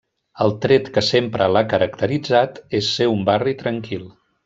El tret que sempre l'ha caracteritzat és ser un barri tranquil.